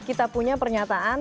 kita punya pernyataan